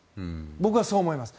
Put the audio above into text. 僕はそう思います。